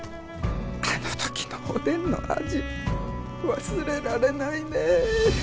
あの時のおでんの味忘れられないね。